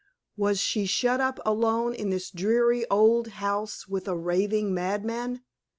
Was she shut up alone in this dreary old house with a raving madman?